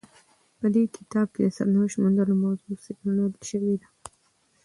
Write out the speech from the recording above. په دې کتاب کې د سرنوشت موندلو موضوع څیړل شوې ده.